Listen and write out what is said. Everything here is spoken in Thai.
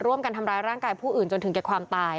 ร่วมกันทำร้ายร่างกายผู้อื่นจนถึงแก่ความตาย